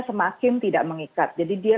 semakin tidak mengikat jadi dia